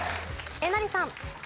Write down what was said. えなりさん。